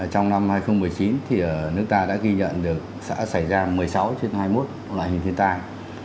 trong năm hai nghìn một mươi chín thì nước ta đã ghi nhận được xã xảy ra một mươi sáu trên hai mươi một loại hình thiên tai